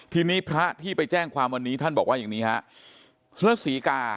ทีนี้พระที่ไปแจ้งความว่าอย่างนี้